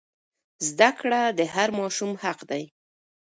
زده کړه د هر ماشوم حق دی.